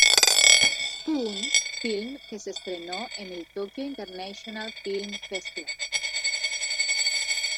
Spoon", filme que se estrenó en el Tokyo International Film Festival.